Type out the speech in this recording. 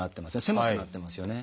狭くなってますよね。